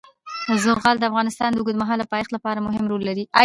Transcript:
زغال د افغانستان د اوږدمهاله پایښت لپاره مهم رول لري.